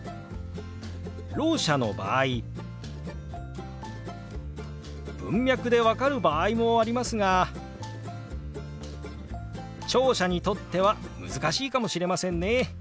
ろう者の場合文脈で分かる場合もありますが聴者にとっては難しいかもしれませんね。